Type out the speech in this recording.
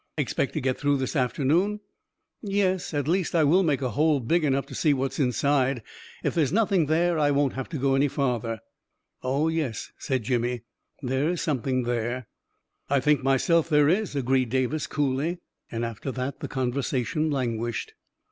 " Expect to get through this afternoon? " 11 Yes — at least I will make a hole big enough to see what is inside. If there is nothing there, I won't have to go any farther." "Oh, yes," said Jimmy, "there is something there!" " I think myself there is," agreed Davis coolly; and after that the conversation languished.